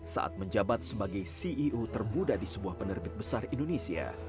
saat menjabat sebagai ceo termuda di sebuah penerbit besar indonesia